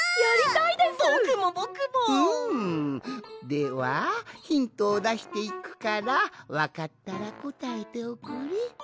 ではヒントをだしていくからわかったらこたえておくれ。